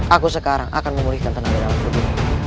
aku sekarang akan memulihkan tenaga dalam tubuh